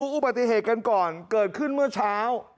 อุบัติเหตุกันก่อนเกิดขึ้นเมื่อเช้า